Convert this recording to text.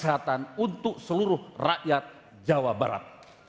kesehatan untuk seluruh rakyat jawa barat